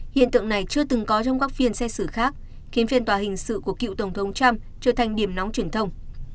hiện tượng này chưa từng có trong các phiên xét xử khác khiến phiên tòa hình sự của cựu tổng thống trump trở thành điểm nóng truyền thông